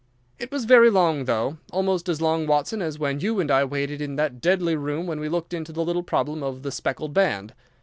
It was very long, though—almost as long, Watson, as when you and I waited in that deadly room when we looked into the little problem of the Speckled Band.